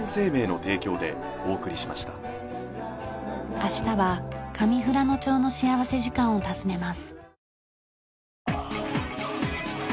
明日は上富良野町の幸福時間を訪ねます。